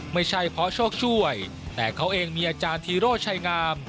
ไม่ใช่เพราะโชคช่วยแต่เขาเองมีอาจารย์ธีโร่ชัยงาม